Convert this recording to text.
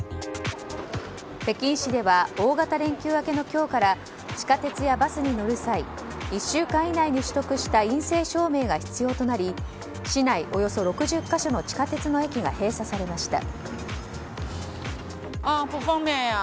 北京市では、大型連休明けの今日から地下鉄やバスに乗る際１週間以内に取得した陰性証明が必要となり市内およそ６０か所の地下鉄の駅が閉鎖されました。